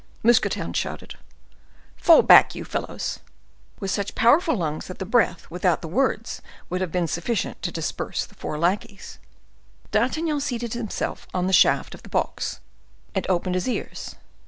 Mousqueton shouted, "Fall back, you fellows," with such powerful lungs that the breath, without the words, would have been sufficient to disperse the four lackeys. D'Artagnan seated himself on the shaft of the box and opened his ears.